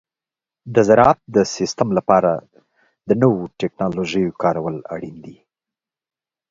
د زراعت د سیستم لپاره د نوو تکنالوژیو کارول اړین دي.